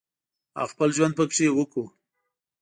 او خپل ژوند پکې وکړو